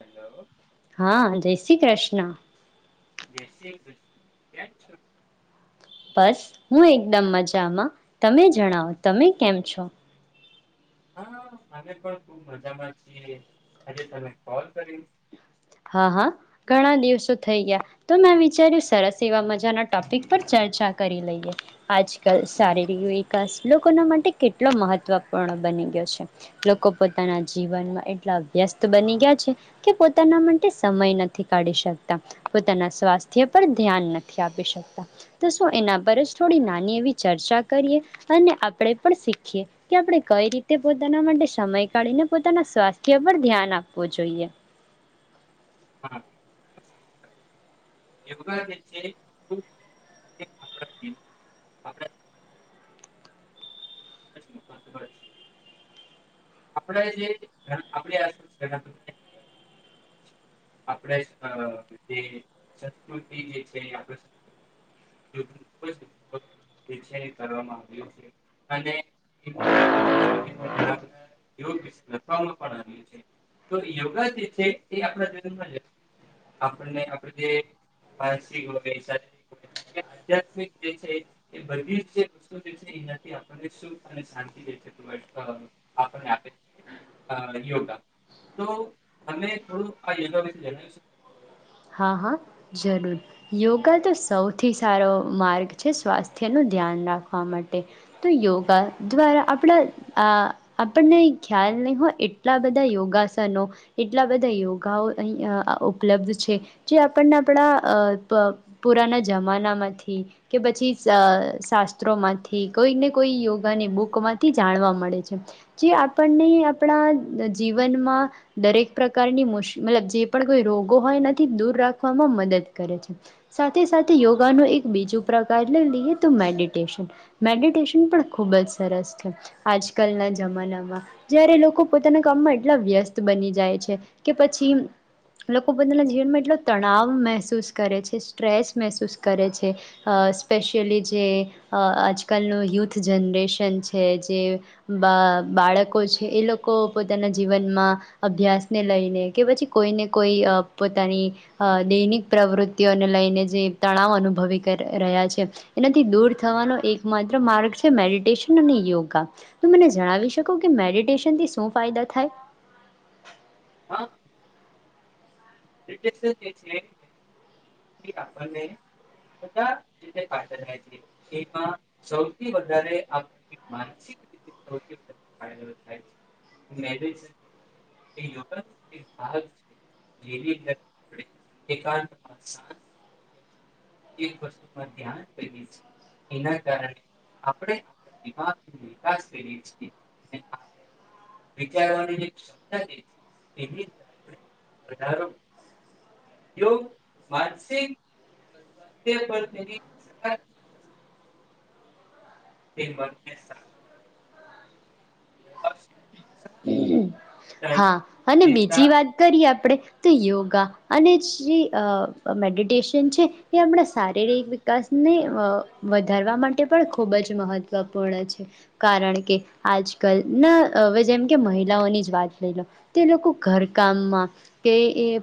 Hello. હા જય શ્રી કૃષ્ણ. જય શ્રી કૃષ્ણ. [unintelligible] બસ હું એકદમ મજામાં તમે જણાવો તમે કેમ છો? હા અમે પણ ખુબ મજામાં છીએ આજે, તમે કોલ કર્યું? હા હા ઘણા દિવસો થઈ ગયા, તો મેં વિચાર્યું સરસ એવા મજાના ટોપિક પર ચર્ચા કરી લઈએ, આજકાલ શારીરિક વિકાસ લોકોના માટે કેટલો મહત્વપૂર્ણ બની ગયો છે, લોકો પોતાના જીવનમાં એટલા વ્યસ્ત બની ગયા છે, કે પોતાના સમય નથી કાઢી શકતા, પોતાના સ્વાસ્થ્ય પર ધ્યાન નથી આપી શકતા, તો શું એના પર જ થોડી નાની એવી ચર્ચા કરીએ, અને આપણે પણ શીખીએ, કે આપણે કઈ રીતે પોતાના માટે સમય કાઢીને પોતાના સ્વાસ્થ્ય પર ધ્યાન આપવું જોઈએ. હા યોગા [unintelligible] [unintelligible] આપડે જે સંસ્કૃતિ જે છે તો યોગા જે છે એ આપણા [unintelligible] સુખ અને શાંતિ આપે છે યોગા તો તમે થોડું [unintelligible] હા [unintelligible] હા હા, જરૂર યોગા તો સૌથી સારો માર્ગ છે સ્વાસ્થ્યનું ધ્યાન રાખવા માટે, તો યોગા દ્વારા આપણા આપણને ખ્યાલ નહીં હોય એટલા બધા યોગાસનો, એટલા બધા યોગાઓ અહીં ઉપલબ્ધ છે. જે આપણને આપણા અ પુરાના જમાનામાંથી, કે પછી શાસ્ત્રોમાંથી કોઈક ને કોઈ યોગાની બુક માંથી જાણવા મળે છે, જે આપણને આપણા જીવનમાં, દરેક પ્રકારની મુશ મતલબ જે પણ કોઈ રોગો હોય ને દૂર રાખવામાં મદદ કરે છે, સાથે સાથે યોગાનું એક બીજું પ્રકાર લઈએ તો મેડિટેશન, મેડિટેશન પણ ખુબ જ સરસ છે, આજ કલના જમાનામાં જયારે લોકો પોતાના કામમાં એટલા વ્યસ્ત બની જાય, છે કે પછી લોકો પોતાના જીવનમાં એટલો તણાવ મહેસૂસ કરે છે સ્ટ્રેસ મહેસૂસ કરે છે, સ્પેશિયલી જે આજકાલનું યુથ જનરેશન છે જે, બા બાળકો છે એ લોકો પોતાના જીવનમાં, અભ્યાસને લઈને કે પછી કોઈને કોઈ પોતાની, દૈનિક પ્રવૃતિઓને લઈને જે તણાવ અનુભવી રહ્યા છે, એનાથી દૂર થવાનો એક માત્ર માર્ગ છે મેડિટેશન અને યોગા, મને જણાવી શકો કે મેડિટેશનથી શું ફાયદા થાય? હા. ક્રિકેટ છે [unintelligible] [unintelligible] એમાં સૌથી વધારે [unintelligible] સાત એક વસ્તુમાં ધ્યાન કરીએ છીએ એના કારણે આપણે આપણા દિમાકનો વિકાસ કરીએ છીએ અને વિચારવાની જે ક્ષમતા [unintelligible] વધારો માનસિક સ્વાસ્થ્ય પર તેની સકારાત્મક માટે તે મને પ્રોત્સાહન આપીને હા તણાવ અને બીજી ચિંતા વાત કરીએ આપડે તો યોગા અને જે મેડિટેશન છે એ આપણા શારીરિક વિકાસને વધારવા માટે પણ ખૂબ જ મહત્વપૂર્ણ છે, કારણ કે આજકાલના હવે જેમ કે મહિલાઓની જ વાત તે લોકો ઘરકામમાં, કે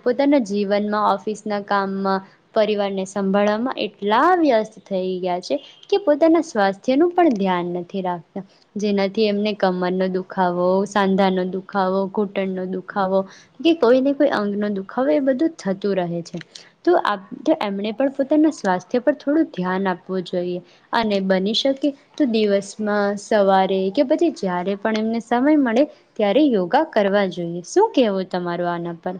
પોતાના જીવનમાં ઓફિસના કામમાં, પરિવારને સંભાળવામાં એટલા વ્યસ્ત થઈ ગયા છે કે પોતાના સ્વાસ્થ્યનું પણ ધ્યાન નથી રાખતા જેનાથી એમને કમરનો દુખાવો સાંધાનો દુખાવો ઘૂંટણનો દુખાવો, કે કોઈને કોઈ અંગનો દુખાવો, એ બધું થતું રહે છે તો આપ એમણે પણ પોતાના સ્વાસ્થ્ય પર થોડું ધ્યાન આપવું જોઈએ, અને બની શકે તો દિવસમાં સવારે કે પછી જ્યારે પણ એમને સમય મળે ત્યારે યોગા કરવા જોઈએ શું કેવું તમારું આના પર.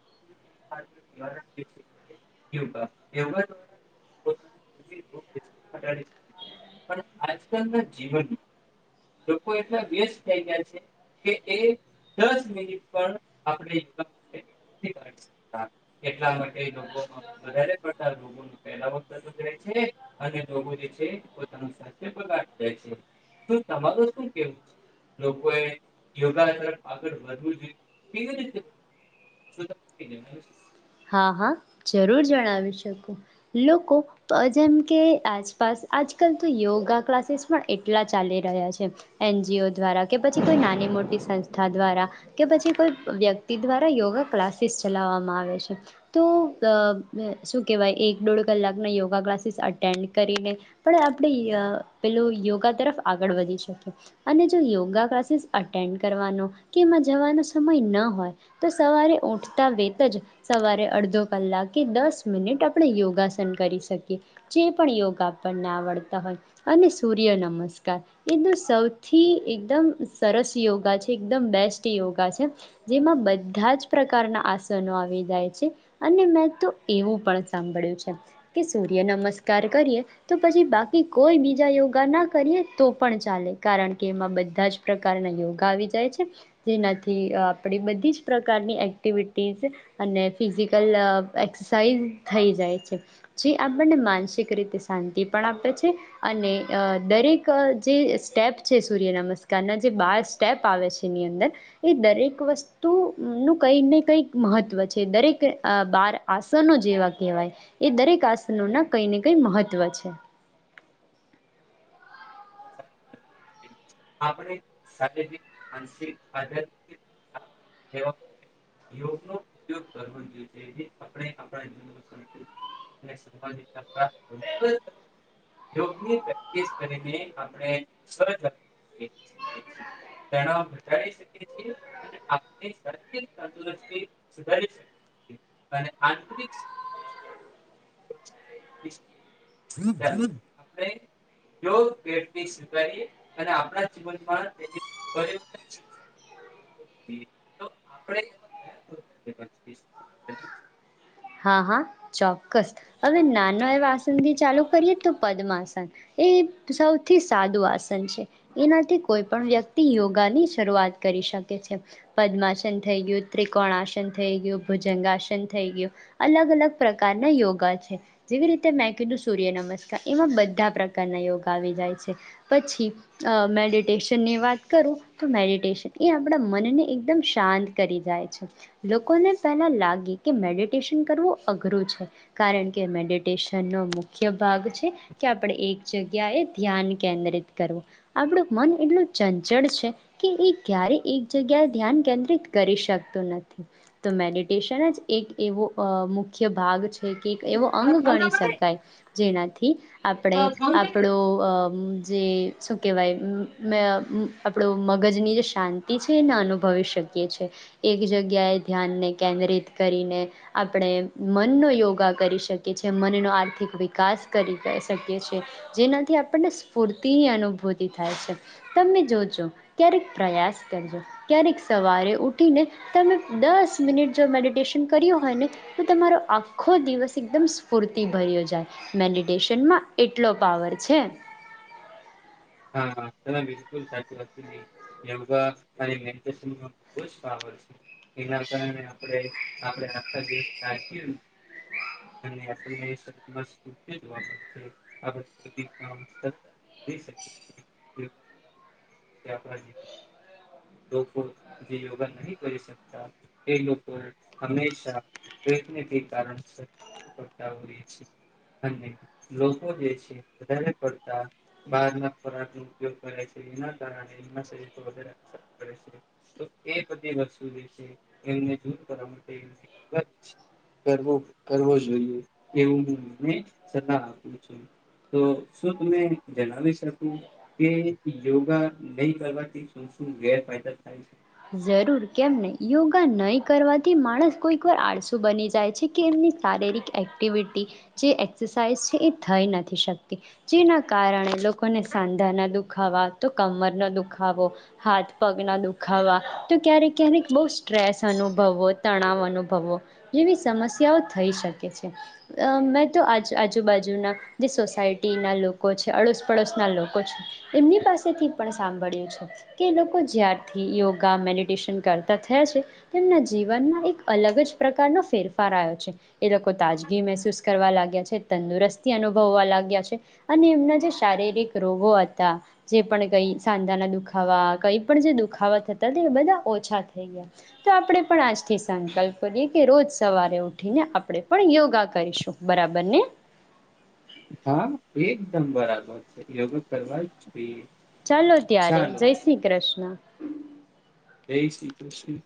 [inaudible] લોકો એટલા વ્યસ્ત થઈ ગયા છે કે એ દસ મિનિટ પણ આપગ માટેતા એટલા માટે વધડ પલા છેગાડીે છે. [inaudible] તમાર શું કેવું છે લોકોએ યોગા આગળ વધવું જોઈએ કેવી રીતેવું હા હા જરૂર જણાવી શકો, લોકો જેમ કે આસપાસ આજકાલ તો યોગા ક્લાસીસ પણ એટલા ચાલી રહ્યા છે, એનજીઓ દ્વારા, કે પછી કોઈ નાની મોટી સંસ્થા દ્વારા, કે પછી કોઈ વ્યક્તિ દ્વારા, યોગા ક્લાસીસ ચલાવવામાં આવે છે. તો શું કેહેવાય એક દોઢ કલાકના યોગા ક્લાસીસ અટેન્ડ કરીને પણ આપણે પેલું યોગા તરફ આગળ વધી શકીએ અને જો યોગા ક્લાસીસ અટેન્ડ કરવાનો કે એમાં જવાનો સમય ન હોય તો સવારે ઉઠતા વત જ સવારે અડધો કલાક કે દસ મિનિટ આપણે યોગાસન કરી શકીએ, જે પણ યોગ આપણને આવડતા હોય અને સૂર્ય નમસ્કાર એનું સૌથી એકદમ સરસ યોગા છે એકદમ બેસ્ટ યોગા છે જેમાં બધા જ પ્રકારના આસનો આવે અને મે તો એવું પણ સાંભળ્યું છે, કે સૂર્ય નમસ્કાર કરીએ તો પછી બાકી કોઈ બીજા યોગા ના કરીએ તો પણ ચાલે, કારણ કે એમાં બધા જ પ્રકારના યોગા આવી જાય છે, જેનાથી આપડી બધી જ પ્રકારની એક્ટિવિટી અને ફિઝિકલ એક્સરસાઇઝ થઈ જાય છે, જે આપણને માનસિક રીતે શાંતિ પણ આપે છે અને દરેક જે સ્ટેપ છે સૂર્યનમસ્કારના જે બાર સ્ટેપ આવે છે એની અંદર એ દરેક વસ્તુનું કંઈક ને કંઈક મહત્ત્વ દરેક બાર આસનો જેવા કહેવાય એ, દરેક આસનો ના કઈ ને કઈ મહત્વ છે. [unintelligible] [unintelligible] [unintelligible] હા હા ચોક્કસ, હવે નાનો એવા આસનથી ચાલુ કરીએ તો પદ્માસન, એ સૌથી સાદું આસન છે, એનાથી કોઈ પણ વ્યક્તિ યોગાની શરૂઆત કરી શકે છે, પદ્માસન થઈ ગયું, ત્રિકોણસન થઈ ગયું, ભુજંગસન થઈ ગયું અલગ અલગ પ્રકારના યોગા છે, જેવી રીતે મેં કીધું સૂર્યનમસ્કાર એમાં બધા પ્રકારના યોગા આવી જાય છે, પછી મેડિટેશનની વાત કરું તો મેડિટેશન એ આપણા મનને એકદમ શાંત કરી જાય છે, લોકોને પહેલાં લાગે કે મેડિ ડટેન કરવું અઘરું છે કારણ કે મેડિટેશનનો મુખ્ય ભાગ છે કે આપણે એક જગ્યાએ ધ્યાન કેન્દ્રિત કરવું આપણું મન એટલું ચંચળ છે કે એ ક્યારેય એક જગ્યાએ ધ્યાન કેન્દ્રિત કરી શકતું નથી તો મેડિટેશન જ એક એવો અ મુ મુખ્ય ભાગ છે કે એવો અંગ પગલા ગણી શકાય જેનાથી આપણે લેવા જોઈએ? આપણો જે શું કહેવાય મે આપણું મગજની જે શાંતિ છે એને અનુભવી શકીએ છીએ એક જગ્યાએ ધ્યાનને કેન્દ્રિત કરીને આપણે મનનો યોગા કરી શકી છે, છેએ મનનો આર્થિક વિકાસ કરી શકીએ છે, જેનાથી આપણને સ્ફૂર્તિની અનુભૂતિ થાય છે તમે જોજો ક્યારેક પ્રયાસ કરજો, ક્યારેક સવારે ઉઠીને તમે દસ મિનિટ જો મેડિટેશન કરીયો હને મારો આખો દિવસ એકદમ સ્ફૂર્તિ ભર્યો જાય, મેડીટેશન માં એટલો પાવર છે. [unintelligible] [unintelligible] [unintelligible] ધતુ એ કરવા માટે જોઈએ એવું એમને સલાહ આપું છું તો શું તમે જણાવી શકો કે યોગા નહી કરવાથી શું શું વ્ય [unintelligible] જરૂર કેમને યોગા નહીં કરવાથી માણસ કોઈક વાર આળસુ બની જાય છે કે એમની શારીરિક એક્ટિવિટી જે એક્સરસાઇઝ છે એ થઈ નથી શકતી જેના કારણે લોકોને સાંધાના દુખાવા, તો કમરનો દુખાવો, હાથ પગના દુખાવા તો ક્યારેક ક્યારેક બહુ સ્ટ્રેસ અનુભવો, તણાવ અનુભવો, જેવી સમસ્યાઓ થઈ શકે છે, મેં તો આ આજુબાજુના જે સોસાયટીના લોકો છે, અડોસ પડોશના લોકો છે એમની પાસેથી પણ સાંભળ્યું છે કે એ લોકો જ્યારથી યોગ ગામ મેડિટેશન કરતા થયા છે તેમના જીવનમાં એક અલગ જ પ્રકારનો ફેરફાર આવ્યો છે, એ લોકો તાજગી મહેસૂસ કરવા લાગ્યા છે, તંદુરસ્તી અનુભવવા લાગ્યા છે, અને એમના જે શારીરિક રોગો હતા જે પણ કંઈ સાંધાના દુખાવા, કંઈ પણ જે દુખાવા તે બધા ઓછા થઈ ગયા તો આપણે પણ આજથી સંકલ્પ કરીએ કે રોજ સવારે ઉઠીને આપણે, પણ યોગા કરીશું બરાબર ને? હા એકદમ બરાબર છે. યોગ કરવા જોઈએ ચાલો ત્યારે ચાલો. જય શ્રી કૃષ્ણ જય શ્રી કૃષ્ણ.